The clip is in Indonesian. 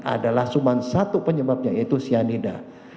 adalah cuma satu penyebabnya yaitu cyanida